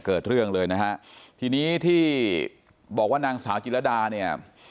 เกิดเรื่องเลยนะฮะทีนี้ที่บอกว่านางสาวจิรดาเนี่ย